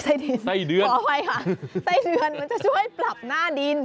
ไส้เดือนขออภัยค่ะไส้เดือนมันจะช่วยปรับหน้าดิน